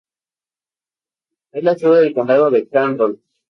Es la sede del Condado de Carroll.